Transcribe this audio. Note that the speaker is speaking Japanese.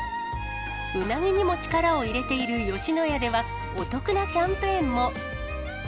うなぎにも力を入れている吉野家では、お得なキャンペーンも。